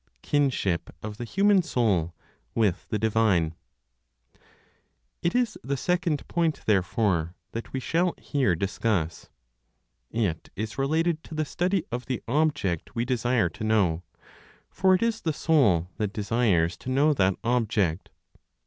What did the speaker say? KINSHIP OF THE HUMAN SOUL WITH THE DIVINE. It is the second point, therefore, that we shall here discuss. It is related to the study of the object we desire to know; for it is the soul that desires to know that object.